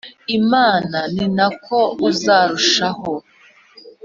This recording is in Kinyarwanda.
Imana ni na ko uzarushaho